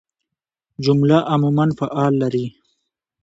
جمله عموماً فعل لري.